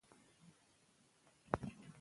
که کتابتون وي نو معلومات نه پاتیږي.